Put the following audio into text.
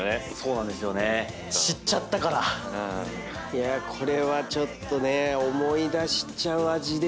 いやこれはちょっとね思い出しちゃう味でしたよね。